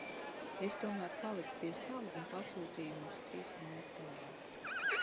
Es tomēr paliku pie sava un pasūtīju viņu trīs mājas tālāk..